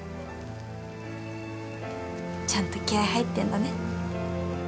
ちゃんと気合入ってんだね。